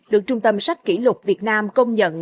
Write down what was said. được trung tâm sách kỷ lục việt nam công nhận